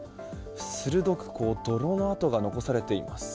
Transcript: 鋭く泥の跡が残されています。